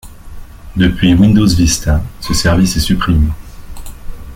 Depuis Windows Vista ce service est supprimé.